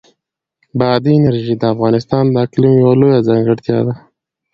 بادي انرژي د افغانستان د اقلیم یوه لویه ځانګړتیا ده.